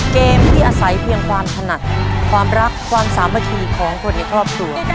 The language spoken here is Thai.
เกมที่อาศัยเพียงความถนัดความรักความสามัคคีของคนในครอบครัว